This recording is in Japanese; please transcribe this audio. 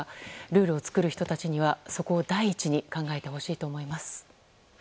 ルールを作る人たちにはそこを第一に考えてほしいと思います。